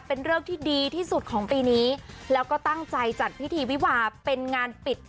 เป็นเลิกที่ดีที่สุดของปีนี้แล้วก็ตั้งใจจัดพิธีวิวาเป็นงานปิด